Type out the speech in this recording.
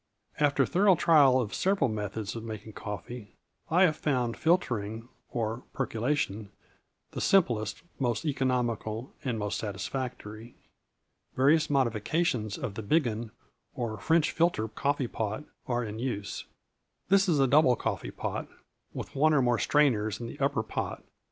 After thorough trial of several methods of making coffee, I have found filtering (or percolation) the simplest, most economical, and most satisfactory. Various modifications of the biggin, or French filter coffee pot, are in use. This is a double coffee pot, with one or more strainers in the upper pot.